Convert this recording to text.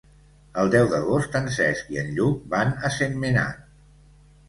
El deu d'agost en Cesc i en Lluc van a Sentmenat.